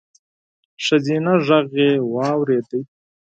ښځينه غږ يې واورېد: